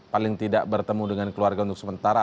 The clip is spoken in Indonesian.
paling tidak bertemu dengan keluarga untuk sementara